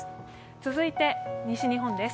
続いて西日本です。